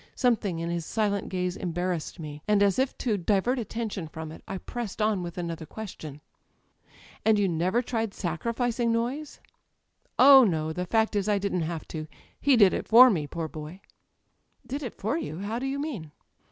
Something in his silent gaze embarrassed me, and as if to divert atten tion from it I pressed on with another question: "And you never tried sacrificing Noyes?" [ 268 ] Digitized by Google THE EYES "Oh, no. The fact is I didn't have to. He did it for me, poor boy! "Did it for you ? How do you mean